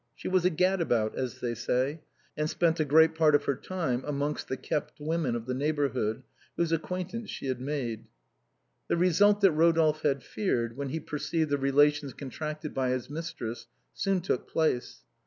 She was a " gadabout," as they say, and spent a great part of her time amongst the kept women of the neighborhood, whose acquaintnace she had made. The result that Eodolphe had feared, when he perceived the relations contracted by his mistress, soon took place.